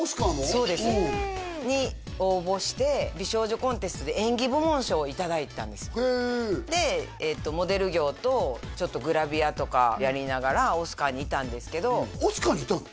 そうですに応募して美少女コンテストで演技部門賞を頂いたんですでモデル業とちょっとグラビアとかやりながらオスカーにいたんですけどオスカーにいたの？